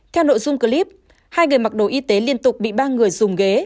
theo nội dung clip hai người mặc đồ y tế liên tục bị ba người dùng ghế